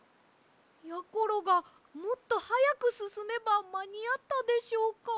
やころがもっとはやくすすめばまにあったでしょうか？